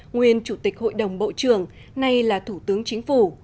nguyên chủ tịch hội đồng bộ trưởng nay là thủ tướng chính phủ